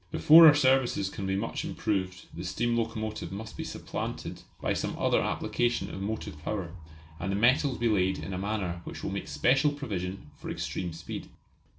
Before our services can be much improved the steam locomotive must be supplanted by some other application of motive power, and the metals be laid in a manner which will make special provision for extreme speed.